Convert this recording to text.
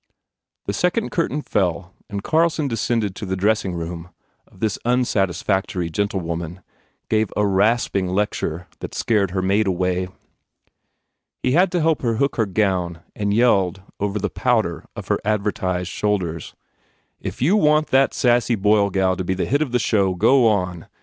The second curtain fell and Carlson de scended to the dressing room of this unsatisfactory gentlewoman, gave a rasping lecture that scared her maid away. He had to help hook her gown and yelled over the powder of her advertised shoulders, "If you want that sassy Boyle gal to be the hit of the show, go on!